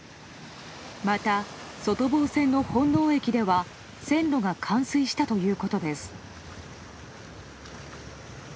また、外房線の本納駅では線路が冠水したということです。